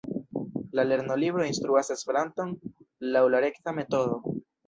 La lernolibro instruas Esperanton laŭ la rekta metodo.